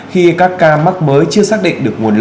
khi các ca mắc mới chưa xác định được nguồn lây